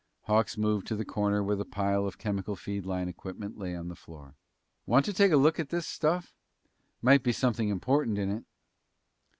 Hawks moved to the corner where the pile of chemical feed line equipment lay on the floor. "Want to take a look at this stuff? Might be something important in it."